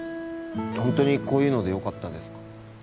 ホントにこういうのでよかったですか？